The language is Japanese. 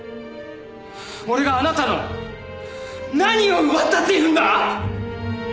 俺があなたの何を奪ったっていうんだ！？